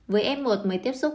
với f một mới tiếp xúc